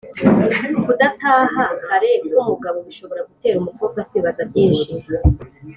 kutadataha kare k’umugabo bishobora gutera umukobwa kwibaza byinshi